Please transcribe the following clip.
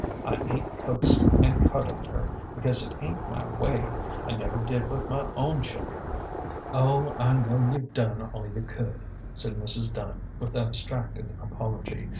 " I ain't coaxed an' cuddled her, because it ain't my way. I never did with my own children." " Oh, I know you've done all you could," said Mrs. Dunn, with abstracted apology.